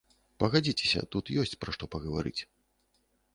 Пагадзіцеся, тут ёсць пра што пагаварыць.